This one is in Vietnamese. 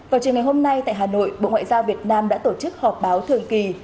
vào chiều ngày hôm nay tại hà nội bộ ngoại giao việt nam đã tổ chức họp báo thường kỳ